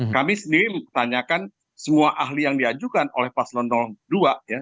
kami sendiri tanyakan semua ahli yang diajukan oleh paslon dua ya